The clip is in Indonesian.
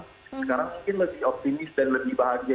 sekarang mungkin lebih optimis dan lebih bahagia